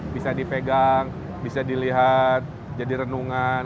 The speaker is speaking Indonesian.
bisa dipegang bisa dilihat jadi renungan